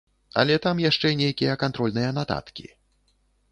Але там яшчэ нейкія кантрольныя нататкі.